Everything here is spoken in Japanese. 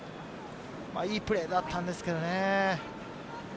いいプレーだったんですけどね。